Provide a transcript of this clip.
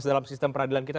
dalam sistem peradilan kita